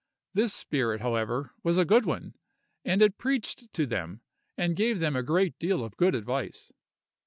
This spirit, however, was a good one, and it preached to them, and gave them a great deal of good advice.